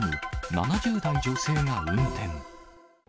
７０代女性が運転。